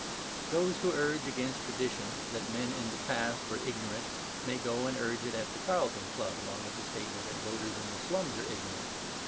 Those who urge against tradition that men in the past were ignorant may go and urge it at the Carlton Club, along with the statement that voters in the slums are ignorant.